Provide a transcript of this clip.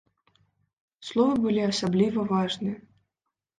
Словы былі асабліва важныя.